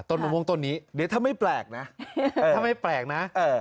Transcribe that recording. มะม่วงต้นนี้เดี๋ยวถ้าไม่แปลกนะถ้าไม่แปลกนะ